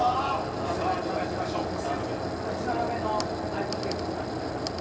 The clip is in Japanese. うちの嫁のｉＰｈｏｎｅケースを使ってくれてはるんで。